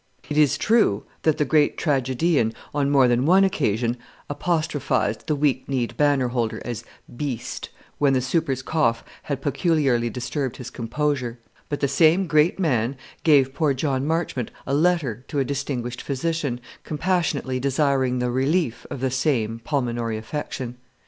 It is true, that the great tragedian, on more than one occasion, apostrophised the weak kneed banner holder as "BEAST" when the super's cough had peculiarly disturbed his composure; but the same great man gave poor John Marchmont a letter to a distinguished physician, compassionately desiring the relief of the same pulmonary affection.